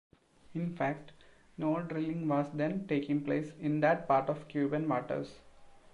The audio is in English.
In fact, no drilling was then taking place in that part of Cuban waters.